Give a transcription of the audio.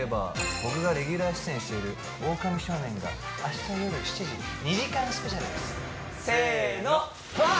僕がレギュラー出演している「オオカミ少年」が明日夜７時２時間スペシャルですとうっ！